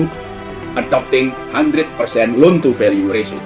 dan kami mengadopsi rasio nilai uang seratus